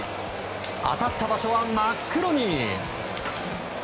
当たった場所は真っ黒に。